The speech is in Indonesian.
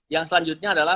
yang selanjutnya adalah